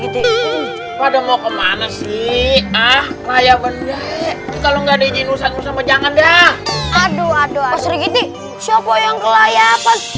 kalau nggak ada izin usahakan jangan dah aduh aduh aduh